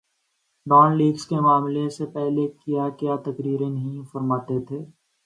Dawn leaks کے معاملے سے پہلے کیا کیا تقریریں نہیں فرماتے تھے۔